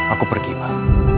aku pergi pak